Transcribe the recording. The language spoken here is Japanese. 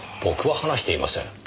僕は話していません。